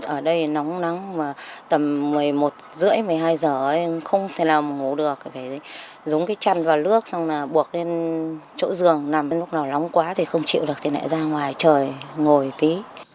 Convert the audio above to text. ở đây nóng nóng mà tầm một mươi một h ba mươi một mươi hai h không thể nào mà ngủ được phải dùng cái chăn vào lước xong là buộc lên chỗ giường nằm lúc nào nóng quá thì không chịu được thì lại ra ngoài chờ ngồi tí